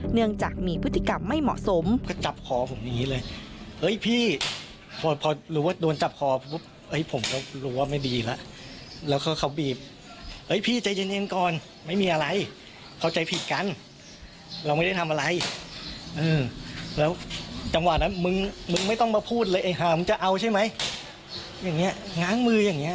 เนื่องจากมีพฤติกรรมไม่เหมาะสม